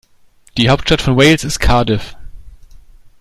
Die Hauptstadt von Wales ist Cardiff.